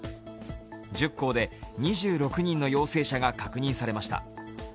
１０校で２６人の陽性者が確認されました。